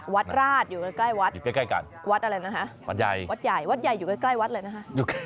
วัดราชอยู่ใกล้วัดวัดอะไรนะฮะวัดใหญ่วัดใหญ่อยู่ใกล้วัดเลยนะฮะ